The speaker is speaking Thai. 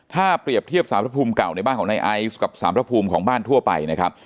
ถ้าเปรียบเทียบสารพระภูมิเก่าในบ้านของนายไอซ์กับสารพระภูมิของบ้านทั่วไปนะครับ